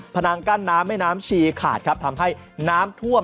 นังกั้นน้ำแม่น้ำชีขาดครับทำให้น้ำท่วม